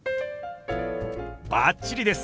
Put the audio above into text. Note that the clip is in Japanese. バッチリです！